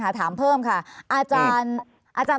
ภารกิจสรรค์ภารกิจสรรค์